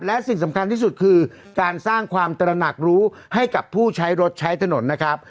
และสิ่งสำคัญที่สุดคือการสร้างความตระหนักรู้ให้กับผู้ใช้รถใช้ถนนนะครับ